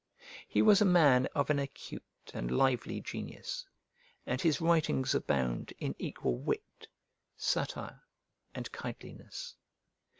He was a man of an acute and lively genius, and his writings abound in equal wit, satire, and kindliness.